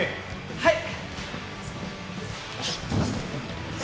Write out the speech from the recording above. はい！